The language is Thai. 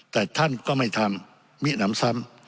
แต่ท่านก็ไม่ทำมิหนำซ้ำ